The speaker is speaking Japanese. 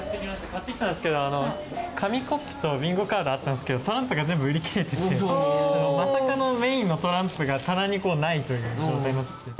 買ってきたんですけど紙コップとビンゴカードあったんですけどトランプが全部売り切れててまさかのメインのトランプが棚にないという状態になっちゃって。